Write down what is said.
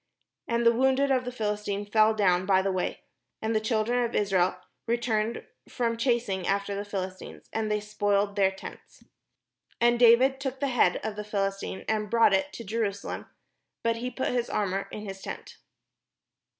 And the wounded of the Philistines fell down by the way. And the children of Israel returned from chasing after the Philistines, and they spoiled their tents. And David SSI PALESTINE took the head of the Philistine, and brought it to Jeru salem, but he put his armour in his tent.